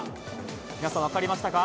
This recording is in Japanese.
皆さん、分かりましたか。